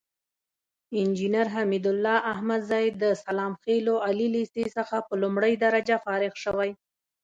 انجينر حميدالله احمدزى د سلام خيلو عالي ليسې څخه په لومړۍ درجه فارغ شوى.